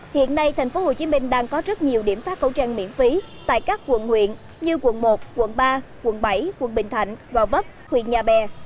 hiện nay tp hcm đang có rất nhiều điểm phát khẩu trang miễn phí tại các quận huyện như quận một quận ba quận bảy quận bình thạnh gò vấp huyện nhà bè